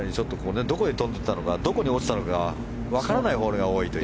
どこに飛んでいったのかどこに落ちたのかわからないホールが多いという。